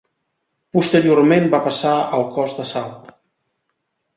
Posteriorment va passar al Cos d'Assalt.